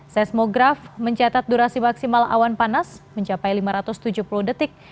seismograf mencatat durasi maksimal awan panas mencapai lima ratus tujuh puluh detik